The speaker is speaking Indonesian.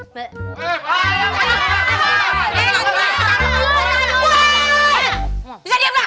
bisa diam gak